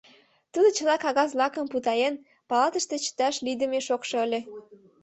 Тудо чыла кагаз-влакым путаен — палатыште чыташ лийдыме шокшо ыле.